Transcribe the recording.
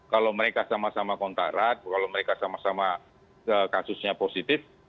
kalau mereka sama sama kontak erat kalau mereka sama sama kasusnya positif